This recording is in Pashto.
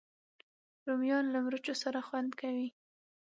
رومیان له مرچو سره خوند کوي